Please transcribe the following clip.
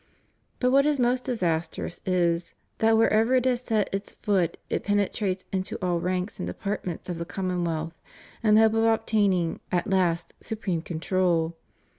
But what is most disastrous is, that wherever it has set its foot it penetrates into all ranks and departments of the common wealth, in the hope of obtaining at last supreme control.